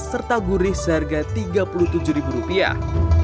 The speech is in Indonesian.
serta gurih seharga tiga puluh tujuh ribu rupiah